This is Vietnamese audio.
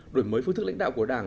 đổi mới phương thức lãnh đạo của đảng